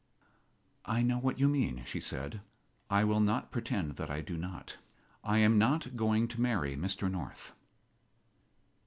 "I know what you mean," she said. "I will not pretend that I do not. I am not going to marry Mr. North."